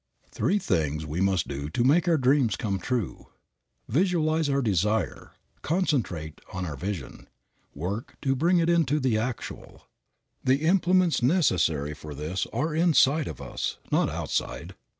Three things we must do to make our dreams come true. Visualize our desire. Concentrate on our vision. Work to bring it into the actual. The implements necessary for this are inside of us, not outside.